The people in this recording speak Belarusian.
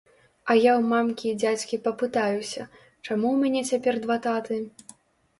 А я ў мамкі і дзядзькі папытаюся, чаму ў мяне цяпер два таты?